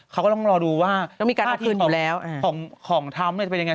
เขาก็ต้องรอดูว่าค่ะของทำเนี่ยจะเป็นอย่างไรต้องมีการเอาคืนอยู่แล้ว